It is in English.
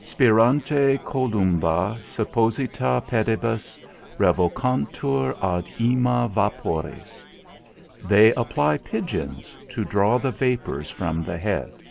Spirante columba Supposita pedibus, revocantur ad ima vapores. _They apply pigeons, to draw the vapours from the head.